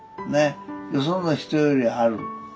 よその人よりある。